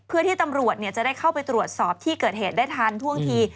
เพื่อที่ตำรวจจะได้เข้าไปตรวจสอบที่เกิดเหตุได้ทันท่วงที